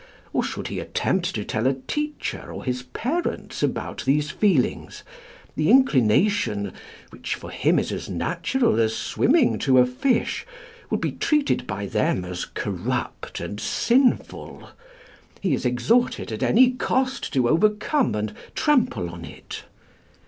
Or should he attempt to tell a teacher or his parents about these feelings, the inclination, which for him is as natural as swimming to a fish, will be treated by them as corrupt and sinful; he is exhorted at any cost to overcome and trample on it.